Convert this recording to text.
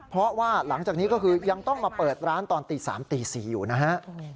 เพราะว่าหลังจากนี้ก็คือยังต้องมาเปิดร้านตอนตี๓ตี๔อยู่นะฮะ